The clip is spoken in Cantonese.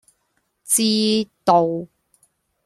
知道